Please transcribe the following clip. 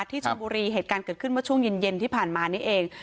ที่ชนบุรีเหตุการณ์เกิดขึ้นเมื่อช่วงเย็นที่ผ่านมานี่เอง